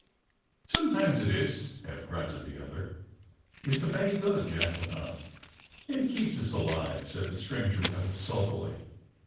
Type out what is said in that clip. "Sometimes it is," half grunted the other, "Is the pay good?" Jack went on. "It keeps us alive," said the stranger rather sulkily.